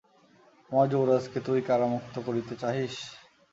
আমার যুবরাজকে তুই কারামুক্ত করিতে চাহিস্।